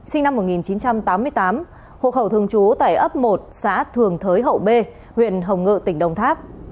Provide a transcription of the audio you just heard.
sinh năm một nghìn chín trăm tám mươi tám hộ khẩu thường trú tại ấp một xã thường thới hậu b huyện hồng ngự tỉnh đồng tháp